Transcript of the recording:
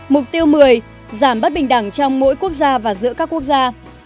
mục tiêu một mươi giảm bất bình đẳng trong mỗi quốc gia và giữa các quốc gia